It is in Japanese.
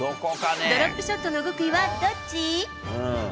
ドロップショットの極意はどっち？